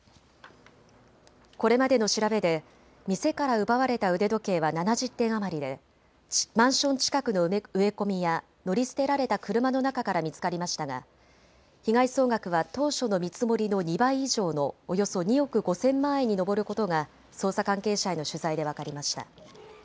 これまでの調べで店から奪われた腕時計は７０点余りでマンション近くの植え込みや乗り捨てられた車の中から見つかりましたが被害総額は当初の見積もりの２倍以上のおよそ２億５０００万円に上ることが捜査関係者への取材で分かりました。